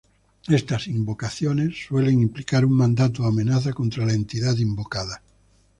Estas invocaciones suelen implicar un mandato o amenaza contra la entidad invocada.